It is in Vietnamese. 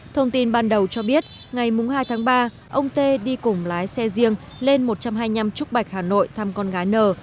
thông tin ban đầu cho biết ngày hai tháng ba ông tê đi cùng lái xe riêng lên một trăm hai mươi năm trúc bạch hà nội thăm con gái n